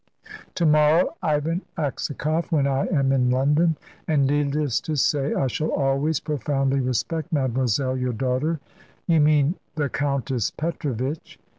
"To morrow, Ivan Aksakoff, when I am in London. And needless to say, I shall always profoundly respect Mademoiselle your daughter." "You mean the Countess Petrovitch."